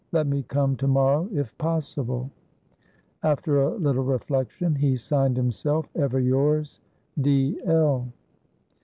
Let me come to morrow, if possible." After a little reflection, he signed himself, "Ever yours, D. L."